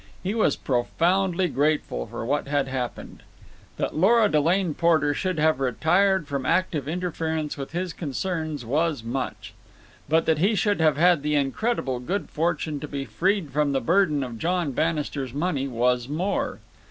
He was profoundly grateful for what had happened. That Lora Delane Porter should have retired from active interference with his concerns was much; but that he should have had the incredible good fortune to be freed from the burden of John Bannister's money was more.